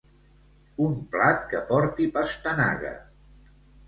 Un plat que porti pastanaga.